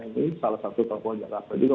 ini salah satu toko jakarta